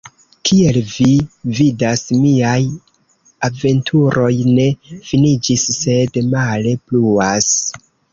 Kiel vi vidas, miaj aventuroj ne finiĝis, sed male pluas.